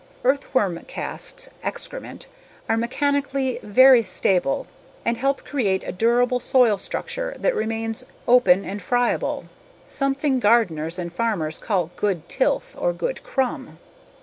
Earthworm casts (excrement) are mechanically very stable and help create a durable soil structure that remains open and friable, something gardeners and farmers call good tilth or good crumb.